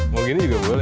mau gini juga boleh sih